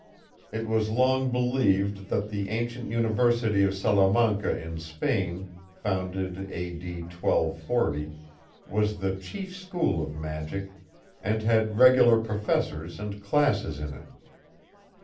It was long believed that the ancient university of Salamanca in Spain, founded A. D. 1240, was the chief school of magic, and had regular professors and classes in it.